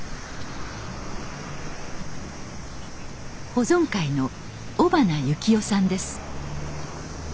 保存会の尾花幸男さんです。